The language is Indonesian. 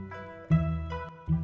ya pak sofyan